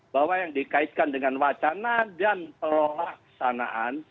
bahwa yang dikaitkan dengan wacana dan pelaksanaan